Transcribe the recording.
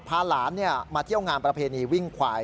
พาหลานมาเที่ยวงานประเพณีวิ่งควาย